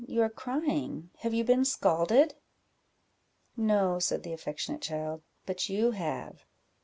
you are crying have you been scalded?" "No," said the affectionate child, "but you have."